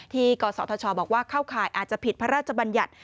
กศธชบอกว่าเข้าข่ายอาจจะผิดพระราชบัญญัติ